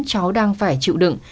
cháu đang phải chịu đựng